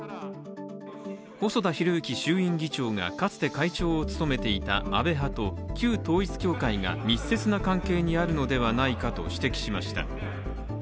細田博之衆院議長がかつて会長を務めていた安倍派と旧統一教会が密接な関係にあるのではないかと指摘しました。